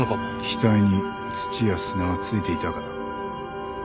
額に土や砂が付いていたか？